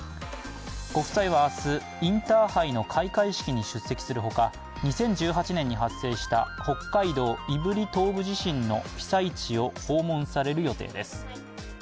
ご夫妻は明日、インターハイの開会式に出席するほか、２０１８年に発生した北海道胆振東部地震の被災地を訪問される予定です。